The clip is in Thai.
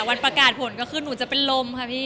วันประกาศผลก็คือหนูจะเป็นลมค่ะพี่